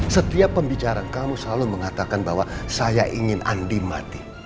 setiap pembicaraan kamu selalu mengatakan bahwa saya ingin andimatik